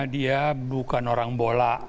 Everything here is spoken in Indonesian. dia bukan orang bola